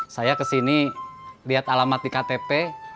saya kesini lihat alamat di ktp